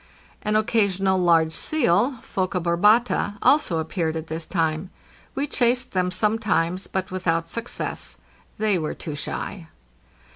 An occasional large seal (Phoca barbata) also appeared at this time; we chased them sometimes, but without success ; they were too shy.